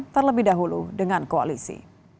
terlebih dahulu dengan koalisi